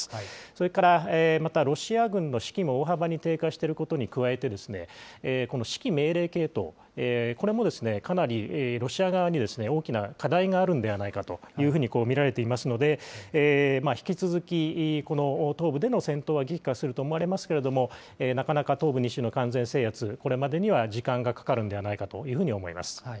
それからまたロシア軍の士気も大幅に低下していることに加えて、この指揮命令系統、これもかなりロシア側に大きな課題があるんではないかというふうに見られていますので、引き続き、この東部での戦闘は激化すると思われますけれども、なかなか東部２州の完全制圧、これまでには時間がかかるんではないかというふうに思いま